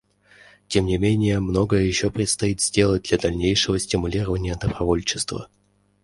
Тем не менее многое еще предстоит сделать для дальнейшего стимулирования добровольчества.